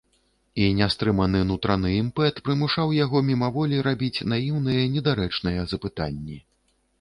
І нястрыманы нутраны імпэт прымушаў яго мімаволі рабіць наіўныя недарэчныя запытанні.